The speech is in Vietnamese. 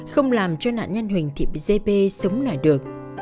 không làm cho nạn nhân huỳnh thị gp sống lại được